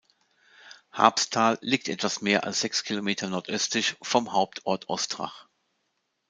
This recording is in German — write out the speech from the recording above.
Habsthal liegt etwas mehr als sechs Kilometer nordöstlich vom Hauptort Ostrach.